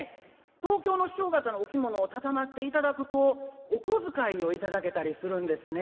東京の師匠方のお着物を畳ませていただくとお小遣いを頂けたりするんですね。